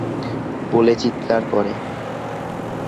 বলে চিৎকার করে।